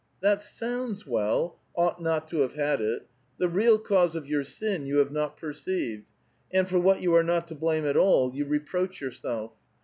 '' That sounds well, * ought not to have had it' ! The real cause of your sin you have not perceived ; and, for what you are not to blame at all, you reproach yourself.